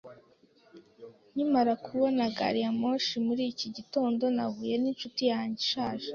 Nkimara kubona gari ya moshi muri iki gitondo, nahuye n'inshuti yanjye ishaje.